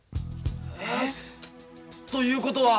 えっ？ということは。